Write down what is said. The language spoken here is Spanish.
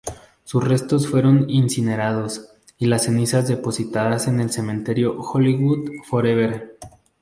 Sus restos fueron incinerados, y las cenizas depositadas en el Cementerio Hollywood Forever.